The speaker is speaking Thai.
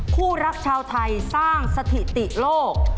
คู่รักชาวไทยสร้างสถิติโลก